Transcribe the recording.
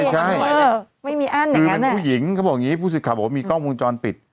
คือเป็นผู้หญิงพูดสิทธิ์ครับมีกล้องมูลจรปิด